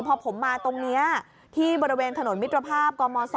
พอผมมาตรงนี้ที่บริเวณถนนมิตรภาพกม๒